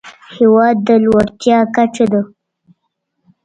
هېواد د لوړتيا کچه ده.